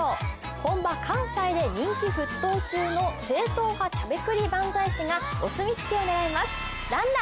本場関西で人気沸騰中の正統派しゃべくり漫才師がお墨付きを狙います爛々。